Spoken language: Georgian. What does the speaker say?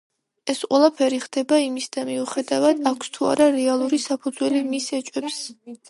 ეს ყველაფერი ხდება იმისდა მიუხედავად, აქვს თუ არა რეალური საფუძველი მის ეჭვებს.